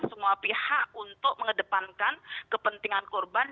semua pihak untuk mengedepankan kepentingan korban